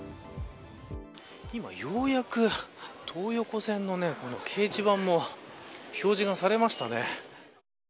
今ようやく東横線の掲示板も表示がされました。